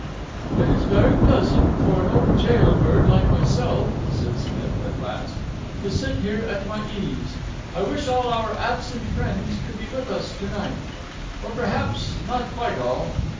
"It is very pleasant for an old jail bird like myself," said Smith at last, "to sit here at my ease. I wish all our absent friends could be with us to night. Or perhaps not quite all.